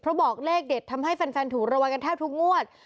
เพราะบอกเลขเด็ดทำให้แฟนถูกระวังกันแทบทุกงวด